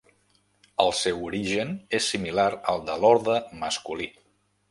El seu origen és similar al de l'orde masculí.